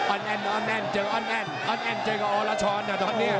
อันแอนอันแอนเจออันแอนอันแอนเจอกับอ๋อละช้อนอ่ะตอนเนี้ย